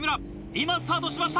今スタートしました。